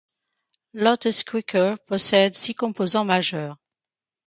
Lotus Quickr possède six composants majeurs.